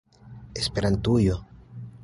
esperantujo